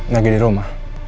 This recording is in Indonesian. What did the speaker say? gak ada di rumah